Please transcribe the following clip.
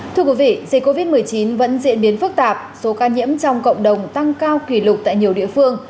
thưa quý vị dịch covid một mươi chín vẫn diễn biến phức tạp số ca nhiễm trong cộng đồng tăng cao kỷ lục tại nhiều địa phương